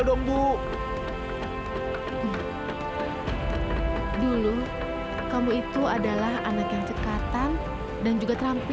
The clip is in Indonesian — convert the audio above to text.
terimalah kenyataan subi